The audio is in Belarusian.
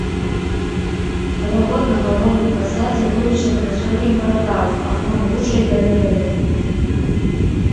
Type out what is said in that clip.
Уваход на галоўным фасадзе вылучаны высокім парталам, акном-ружай, галерэяй.